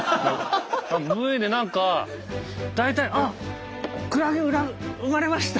Ｖで何か大体「あっクラゲ生まれました！」